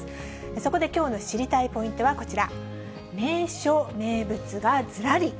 そこできょうの知りたいポイントはこちら、名所・名物がずらり。